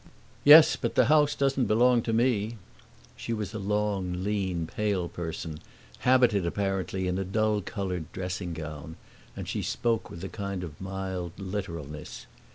"Yes, but the house doesn't belong to me." She was a long, lean, pale person, habited apparently in a dull colored dressing gown, and she spoke with a kind of mild literalness.